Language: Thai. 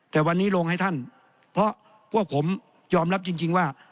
แต่วันนี้ลงให้ท่านเพราะพวกผมยอมรับจริงว่า